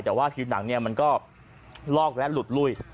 แต่ว่าผิวหนังเนี่ยมันก็ลอกและหลุดลุ้ย